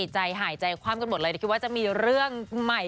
จยหายใจความกันหมดเลย